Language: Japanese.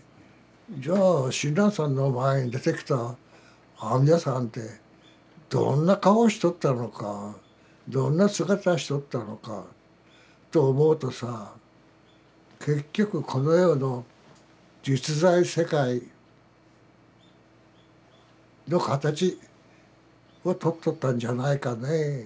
じゃあ親鸞さんの前に出てきた阿弥陀さんってどんな顔しとったのかどんな姿しとったのかと思うとさ結局この世の実在世界の形を取っとったんじゃないかねえ。